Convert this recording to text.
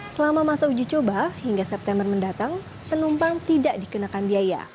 selama masa uji coba hingga september mendatang penumpang tidak dikenakan biaya